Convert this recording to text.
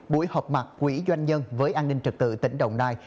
buổi họp mặt quỹ doanh nhân với an ninh trực tự tỉnh đồng nam